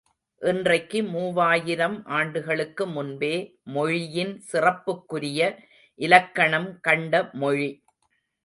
இன்றைக்கு மூவாயிரம் ஆண்டுகளுக்கு முன்பே மொழியின் சிறப்புக்குரிய இலக்கணம் கண்ட மொழி.